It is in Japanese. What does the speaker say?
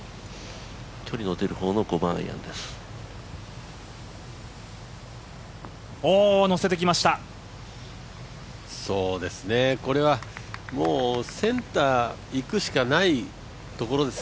距離が出る方の５番アイアンです。